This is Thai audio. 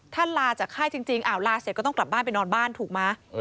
ถ้าลาจากค่ายจริงลาเสร็จก็ต้องกลับบ้านไปนอนบ้านถูกไหม